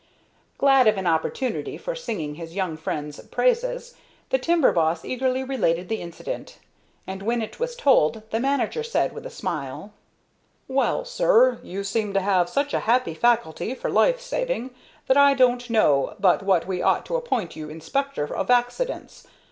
Glad of an opportunity for singing his young friend's praises, the timber boss eagerly related the incident; and when it was told the manager said, with a smile: "Well, sir, you seem to have such a happy faculty for life saving that I don't know but what we ought to appoint you inspector of accidents.